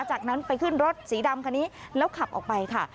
จากนั้นไปขึ้นรถสีดำคันนี้แล้วขับออกไปค่ะ